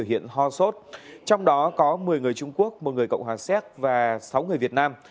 hiện ho sốt trong đó có một mươi người trung quốc một người cộng hòa xéc và sáu người việt nam